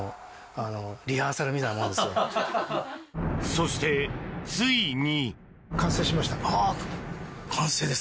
そして、ついに。